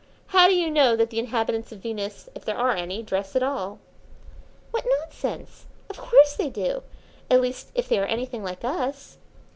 How do you know that the inhabitants of Venus, if there are any, dress at all?" "What nonsense! Of course they do at least, if they are anything like us."